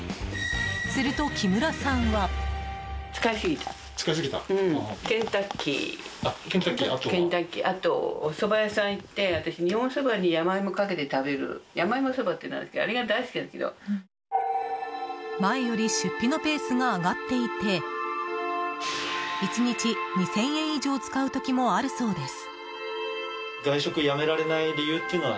すると、木村さんは。前より出費のペースが上がっていて１日２０００円以上使う時もあるそうです。